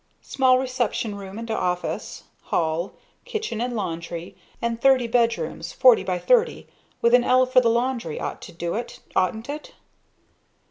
Small reception room and office, hall, kitchen and laundry, and thirty bedrooms, forty by thirty, with an "ell" for the laundry, ought to do it, oughtn't it?"